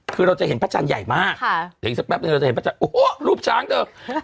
คือเราจะเห็นพระชาญใหญ่มากเพียงสักแปบนึงเราจะเห็นพระชาญโอ้โหรูปช้างเด้อ